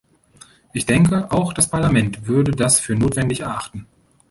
Ich denke, auch das Parlament würde das für notwendig erachten.